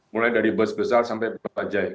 mulai dari bus besar sampai bus ajaib